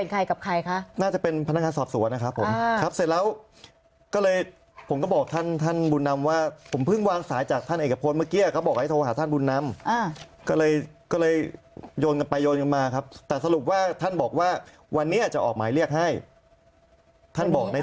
ครับภายใน๗วันเนี่ยจะต้องมีเห็นเห็นผลครับตามที่ท่านพูดนะถ้าท่านออกหมายเรียกจริงครับ